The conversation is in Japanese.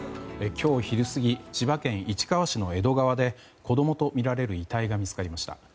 今日昼過ぎ千葉県市川市の江戸川で子供とみられる遺体が見つかりました。